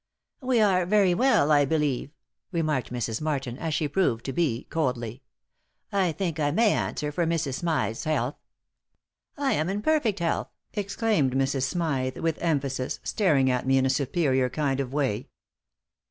"We are very well, I believe," remarked Mrs. Martin, as she proved to be, coldly. "I think I may answer for Mrs. Smythe's health." "I am in perfect health," exclaimed Mrs. Smythe, with emphasis, staring at me in a superior kind of way.